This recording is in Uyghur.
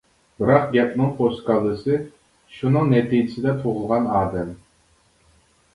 بىراق گەپنىڭ پوسكاللىسى شۇنىڭ نەتىجىسىدە تۇغۇلغان ئادەم.